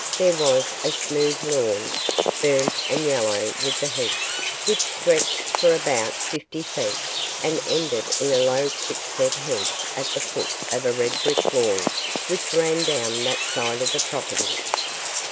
There was a smooth lawn, burnt and yellow with the heat, which stretched for about fifty feet, and ended in a low quickset hedge at the foot of a red brick wall which ran down that side of the property.